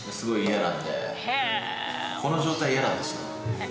この状態嫌なんです。